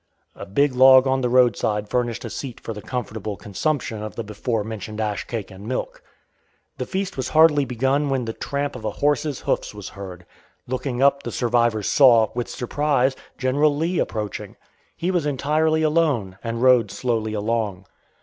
A big log on the roadside furnished a seat for the comfortable consumption of the before mentioned ash cake and milk. The feast was hardly begun when the tramp of a horse's hoofs was heard. Looking up the survivors saw, with surprise, General Lee approaching. He was entirely alone, and rode slowly along.